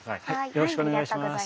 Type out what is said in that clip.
よろしくお願いします。